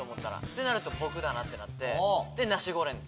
ってなると僕だなってなってナシゴレン。